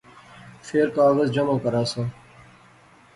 فیر کاغذ جمع کراساں